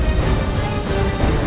itu apaan yang ini pak ustadz